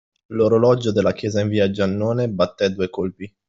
L'orologio della chiesa di via Giannone battè due colpi.